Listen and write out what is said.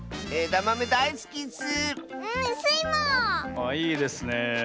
ああいいですねえ。